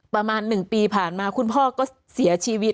ประมาณ๑ปีผ่านมาคุณพ่อก็เสียชีวิต